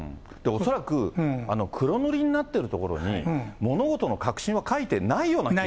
恐らく黒塗りになっている所に、物事の核心は書いてないような気が。